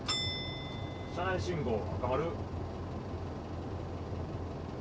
車内信号赤丸。